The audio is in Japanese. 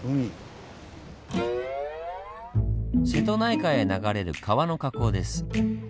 瀬戸内海へ流れる川の河口です。